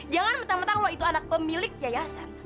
jangan mentang mentang lo itu anak pemilik jayasan